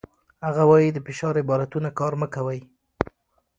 هغه وايي، د فشار عبارتونه کار مه کوئ.